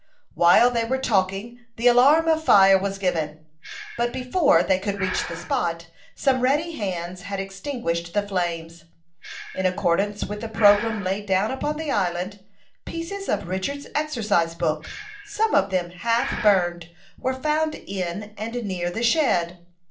While they were talking the alarm of fire was given; but before they could reach the spot, some ready hands had extinguished the flames. In accordance with the programme laid down upon the island, pieces of Richard's exercise book, some of them half burned, were found in and near the shed.